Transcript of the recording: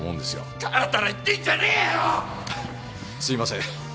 すいません。